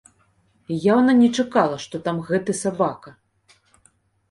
І яўна не чакала, што там гэты сабака.